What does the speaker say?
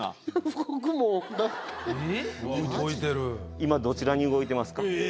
今どちらに動いてますか？